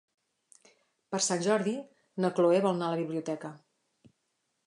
Per Sant Jordi na Cloè vol anar a la biblioteca.